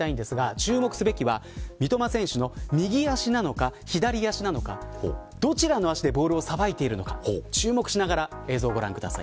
注目すべきは三笘選手の右足なのか左足なのかどちらの足でボールをさばいているのか注目しながら映像をご覧ください。